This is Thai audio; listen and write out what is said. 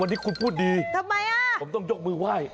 วันนี้คุณพูดดีทำไมอ่ะผมต้องยกมือไหว้